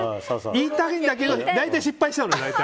言いたいんだけど大体失敗してきたの。